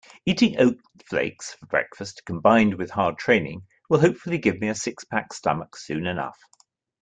Eating oat flakes for breakfast combined with hard training will hopefully give me a six-pack stomach soon enough.